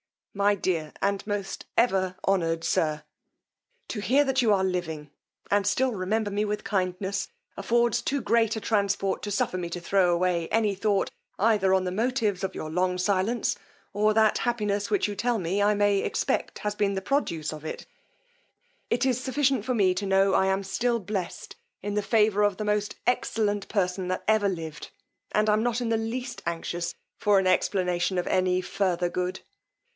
_ Most dear and ever honoured Sir, "To hear you are living, and still remember me with kindness, affords too great a transport to suffer me to throw away any thought either on the motives of your long silence, or that happiness, which you tell me, I may expect has been the produce of it: it is sufficient for me to know I am still blessed in the favor of the most excellent person that ever lived, and am not in the least anxious for an explanation of any farther good.